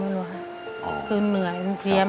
คุณยายแดงคะทำไมต้องซื้อลำโพงและเครื่องเสียง